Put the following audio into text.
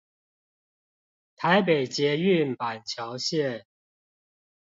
台北捷運板橋線